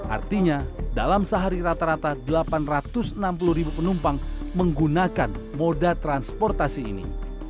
artinya dalam sehari rata rata delapan ratus enam puluh ribu penumpang menggunakan moda transportasi ini